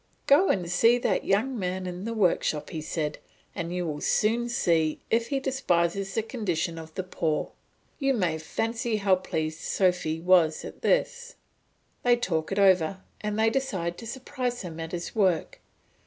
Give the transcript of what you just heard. "Go and see that young man in the workshop," said he, "and you will soon see if he despises the condition of the poor." You may fancy how pleased Sophy was at this! They talk it over, and they decide to surprise him at his work.